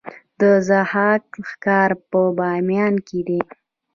د ضحاک ښار په بامیان کې دی